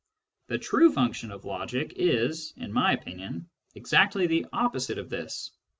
The true function of logic is, in my opinion, exactly the opposite of this.